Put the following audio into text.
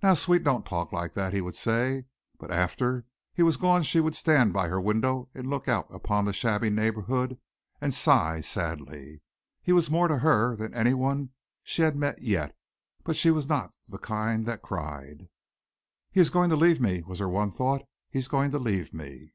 "Now, sweet, don't talk like that," he would say, but after he was gone she would stand by her window and look out upon the shabby neighborhood and sigh sadly. He was more to her than anyone she had met yet, but she was not the kind that cried. "He is going to leave me," was her one thought. "He is going to leave me."